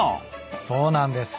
そうなんです。